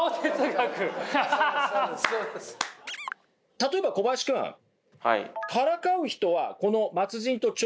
例えば小林くんからかう人は。